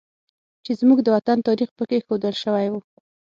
چې زموږ د وطن تاریخ پکې ښودل شوی و